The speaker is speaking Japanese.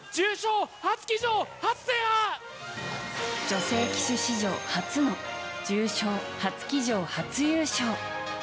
女性騎手史上初の重賞初騎乗初優勝。